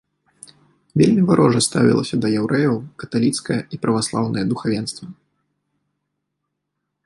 Вельмі варожа ставілася да яўрэяў каталіцкае і праваслаўнае духавенства.